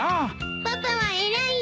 パパは偉いです。